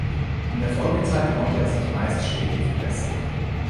In der Folgezeit konnte er sich meist stetig verbessern.